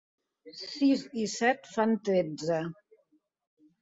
Sis i set fan tretze.